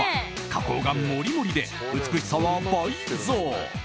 加工が盛り盛りで、美しさは倍増。